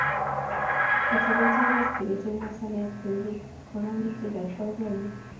Keteetab baskilit eng osneet koibu konokutik ak boiboiyeet